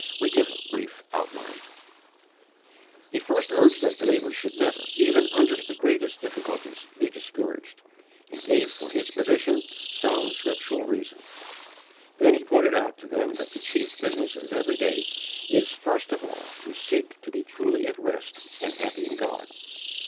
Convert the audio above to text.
We give a brief outline: He first urged that believers should never, even under the greatest difficulties, be discouraged, and gave for his position sound scriptural reasons. Then he pointed out to them that the chief business of every day is first of all to seek to be truly at rest and happy in God.